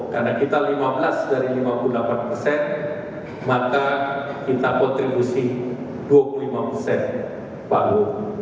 karena kita lima belas dari lima puluh delapan persen maka kita kontribusi dua puluh lima persen pak prabowo